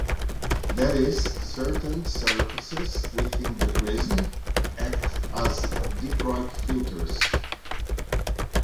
That is, certain surfaces within the prism act as dichroic filters.